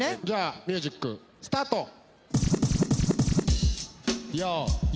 じゃあミュージックスタート。